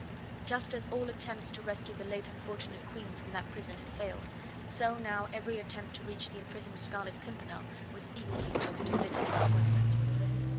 Just as all attempts to rescue the late unfortunate Queen from that prison had failed, so now every attempt to reach the imprisoned Scarlet Pimpernel was equally doomed to bitter disappointment.